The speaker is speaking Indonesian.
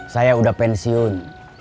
saya udah pensiun